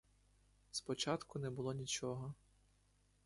Спочатку не було нічого.